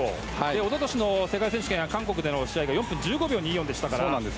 一昨年の世界選手権は韓国での試合では４分１５秒２４でしたから。